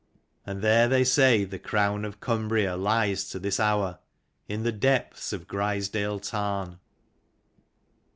And there they say the crown of Cumbria lies to this hour, in the depths of Grizedale tarn.